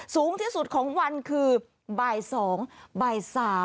สูงที่สุดของวันคือบ่าย๒บ่าย๓